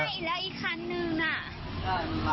ไม่แล้วอีกครั้งหนึ่งอ่ะ